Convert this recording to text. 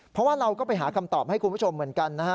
เพราะว่าเราก็ไปหาคำตอบให้คุณผู้ชมเหมือนกันนะฮะ